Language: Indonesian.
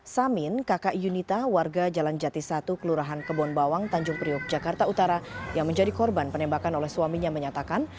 samin kakak yunita warga jalan jati satu kelurahan kebonbawang tanjung priok jakarta utara yang menjadi korban penembakan oleh suaminya menyatakan